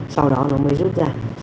sau đó nó mới rút ra